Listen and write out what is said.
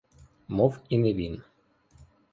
Мов і не він.